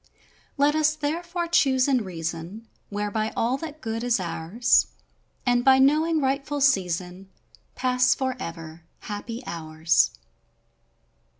Let us, therefore, Choose in reason, Whereby all that good is ours, And by knowing rightful season Pass forever — happy hours.